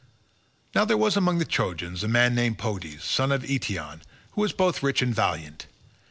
Now there was among the Trojans a man named Podes, son of Eetion, who was both rich and valiant.